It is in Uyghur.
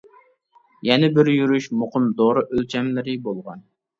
يەنە بىر يۈرۈش مۇقىم دورا ئۆلچەملىرى بولغان.